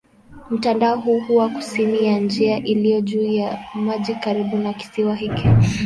Mtandao huu huwa kusini ya njia iliyo juu ya maji karibu na kisiwa hiki.